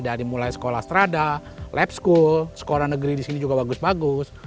dari mulai sekolah strada lab school sekolah negeri di sini juga bagus bagus